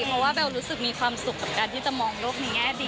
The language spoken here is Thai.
เพราะว่าเบลรู้สึกมีความสุขกับการที่จะมองโลกในแง่ดี